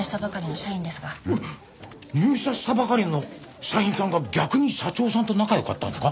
入社したばかりの社員さんが逆に社長さんと仲良かったんですか？